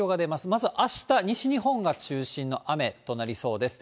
まずあした、西日本が中心の雨となりそうです。